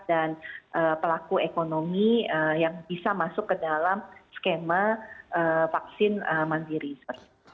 dan pelaku ekonomi yang bisa masuk ke dalam skema vaksin mandiri